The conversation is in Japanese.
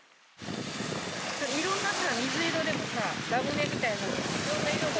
いろんなさ水色でもさラムネみたいなのもいろんな色が。